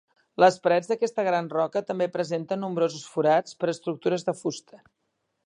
Les parets d'aquesta gran roca també presenten nombrosos forats per a estructures de fusta.